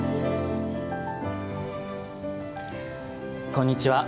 こんにちは。